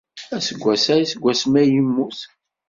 Aseggas aya seg wasmi ay yemmut.